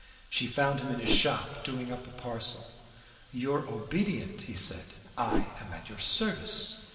She found him in his shop, doing up a parcel. "Your obedient!" he said; "I am at your service."